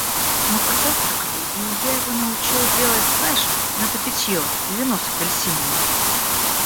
Мы позавтракали, и я его научил делать, знаешь, это питье, вино с апельсинами.